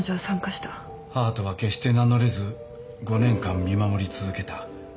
母とは決して名乗れず５年間見守り続けた。